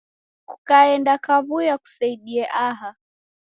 Kukaenda kaw'uya kuseidie aha.